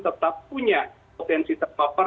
tetap punya potensi terpapar